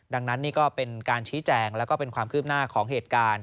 ดังนั้นนี่ก็เป็นการชี้แจงแล้วก็เป็นความคืบหน้าของเหตุการณ์